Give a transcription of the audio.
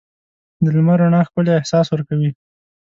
د لمر رڼا ښکلی احساس ورکوي.